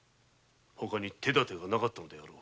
ほかに手段がなかったのであろう。